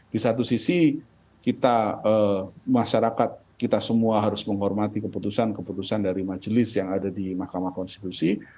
di satu sisi kita masyarakat kita semua harus menghormati keputusan keputusan dari majelis yang ada di mahkamah konstitusi